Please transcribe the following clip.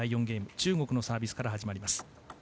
中国のサービスから始まります。